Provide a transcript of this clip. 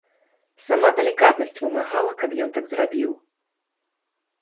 Сама далікатнасць вымагала, каб ён так зрабіў.